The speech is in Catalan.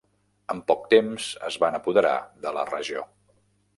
En poc temps es van apoderar de la regió.